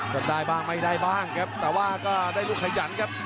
จะได้บ้างไม่ได้บ้างครับแต่ว่าก็ได้ลูกขยันครับ